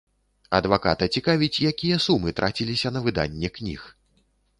Адваката цікавіць, якія сумы траціліся на выданне кніг.